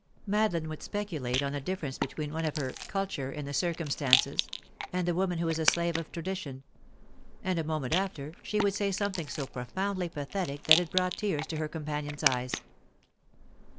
Madeline would speculate on the difference between one of her "culture" in the circumstances and the woman who is a slave of tradition; and a moment after she would say something so profoundly pathetic that it brought tears to her companion's eyes.